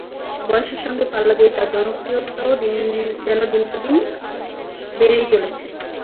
বয়সের সঙ্গে পাল্লা দিয়ে তাঁর জনপ্রিয়তাও যেন দিনকে দিন বেড়েই চলেছে।